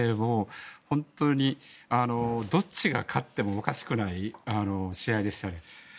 本当に、どっちが勝ってもおかしくない試合でしたよね。